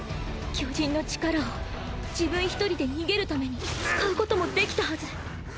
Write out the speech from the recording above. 巨人の力を自分一人で逃げるために使うこともできたはず。